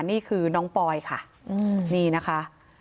นี่คือน้องปอยค่ะนี่นะคะ